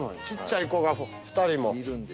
ちっちゃい子が２人も。